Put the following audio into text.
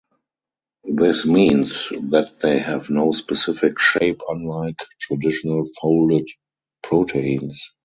This means that they have no specific shape unlike traditional folded proteins.